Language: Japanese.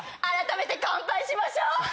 改めて乾杯しましょう！